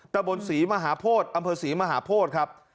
ระบบนศรีมหาโภษอำเภอศรีมหาโภษครับ